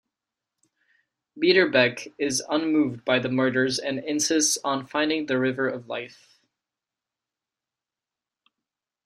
Biederbeck is unmoved by the murders and insists on finding the River of Life.